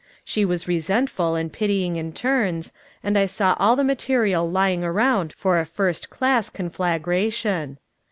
She was resentful and pitying in turns, and I saw all the material lying around for a first class conflagration.